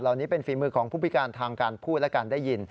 เหล่านี้เป็นฝีมือของผู้พิการทางการพูดและการได้ยิน